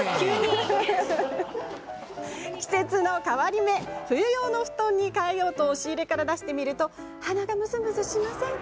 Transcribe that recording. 季節の変わり目冬用の布団に替えようと押し入れから出してみると鼻がむずむずしませんか？